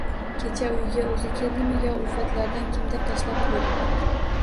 Kecha uyiga o`zi keldimi yo ulfatlardan kimdir tashlab qo`ydimi